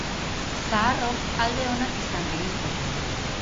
Zaharrok alde onak izan genitzake.